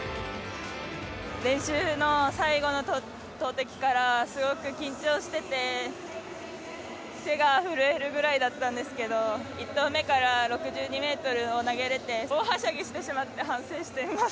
練習の最後の投てきから、すごく緊張してて、手が震えるぐらいだったんですけど、１投目から６２メートルを投げれて、大はしゃぎしてしまって、反省しています。